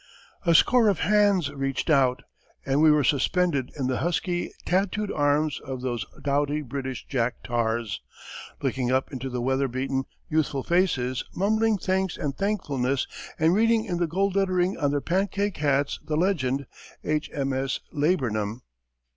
A score of hands reached out, and we were suspended in the husky tattooed arms of those doughty British jack tars, looking up into the weather beaten, youthful faces, mumbling thanks and thankfulness and reading in the gold lettering on their pancake hats the legend "H. M. S. Laburnum."